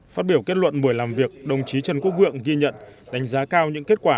phát biểu kết luận buổi làm việc đồng chí trần quốc vượng ghi nhận đánh giá cao những kết quả